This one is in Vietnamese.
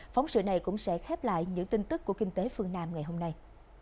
phóng sự này cũng sẽ khép lại những tin tức của kinh tế phương nam ngày hôm nay